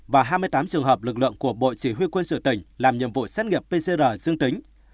và hai mươi tám trường hợp lực lượng của bộ chỉ huy quân sự tỉnh làm nhiệm vụ xét nghiệm pcr dương tính